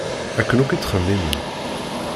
Akken akk i ttxemmimen.